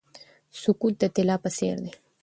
سکوت د طلا په څیر دی.